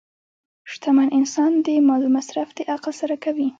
شتمن انسان د مال مصرف د عقل سره کوي.